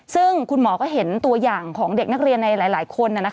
ซึ่งคุณหมอก็เห็นตัวอย่างของเด็กนักเรียนในหลายคน